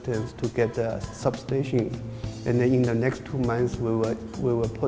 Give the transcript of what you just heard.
untuk tiga ratus substation lagi di surabaya